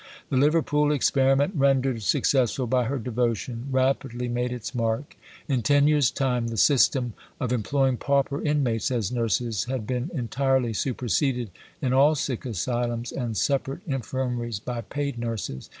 The Liverpool experiment, rendered successful by her devotion, rapidly made its mark. In ten years' time the system of employing pauper inmates as nurses had been entirely superseded, in all sick asylums and separate infirmaries, by paid nurses.